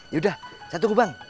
yaudah saya tunggu bang